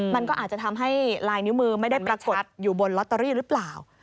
มันก็อาจจะทำให้ลายนิ้วมือไม่ได้ปรากฏอยู่บนลอตเตอรี่หรือเปล่า